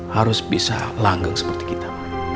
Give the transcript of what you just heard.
harus bisa langgeng seperti kita